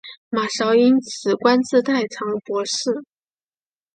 马韶因此官至太常博士。